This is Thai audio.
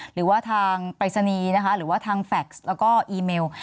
หรือว่าทางปรายศนีย์นะคะหรือว่าทางแฟค์แล้วก็อีเมล